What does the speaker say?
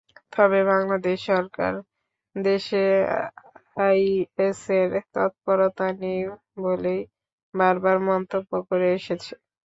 তবে বাংলাদেশ সরকার দেশে আইএসের তৎপরতা নেই বলেই বারবার মন্তব্য করে এসেছে।